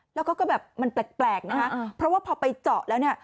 แล้วเขาก็แบบมันแปลกนะคะเพราะว่าพอไปเจาะแล้วเนี่ย